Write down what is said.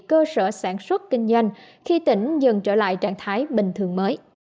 cơ sở sản xuất kinh doanh khi tỉnh dần trở lại trạng thái bình thường mới